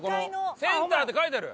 「センター」って書いてある！